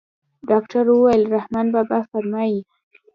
ډاکتر وويل رحمان بابا فرمايي.